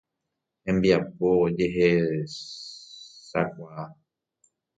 Hembiapo jehechechakuaa.